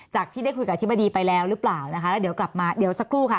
ที่ได้คุยกับอธิบดีไปแล้วหรือเปล่านะคะแล้วเดี๋ยวกลับมาเดี๋ยวสักครู่ค่ะ